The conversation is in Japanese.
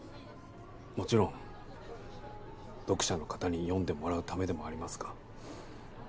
もちろん読者の方に読んでもらうためでもありますが。